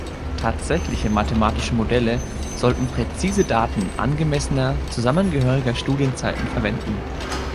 Tatsächliche mathematische Modelle sollten präzise Daten angemessener, zusammengehöriger Studienzeiten verwenden.